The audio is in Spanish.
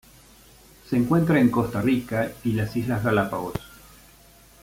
Se encuentra en Costa Rica y las Islas Galápagos.